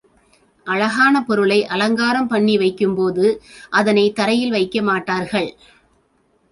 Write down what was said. அழகான பொருளை அலங்காரம் பண்ணி வைக்கும்போது அதனைத் தரையில் வைக்க மாட்டார்கள்.